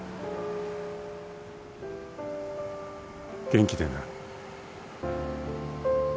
元気でな。